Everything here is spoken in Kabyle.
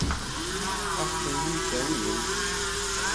Ad ɣ-tent-id-awint?